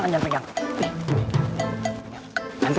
mas yang ketawa kucingnya